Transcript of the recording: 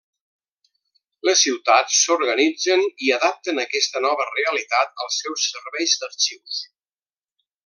Les ciutats s'organitzen i adapten aquesta nova realitat als seus serveis d'arxius.